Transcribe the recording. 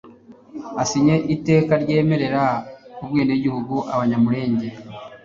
asinye iteka ryemereraga ubwenegihugu Abanyamulenge,